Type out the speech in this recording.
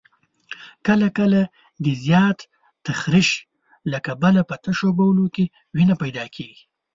کله کله د زیات تخریش له کبله په تشو بولو کې وینه پیدا کېږي.